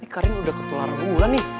karin udah ketularan unggulan nih